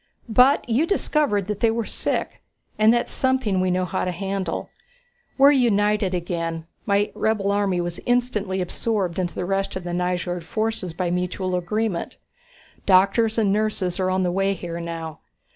But you discovered that they were sick, and that's something we know how to handle. We're united again; my rebel army was instantly absorbed into the rest of the Nyjord forces by mutual agreement. Doctors and nurses are on the way here now.